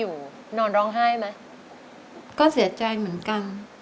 ทั้งในเรื่องของการทำงานเคยทำนานแล้วเกิดปัญหาน้อย